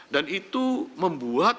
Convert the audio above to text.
dan itu membutuhkan